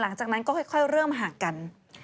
หลังจากนั้นก็ค่อยเริ่มห่างกัน